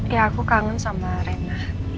ya aku kangen sama rena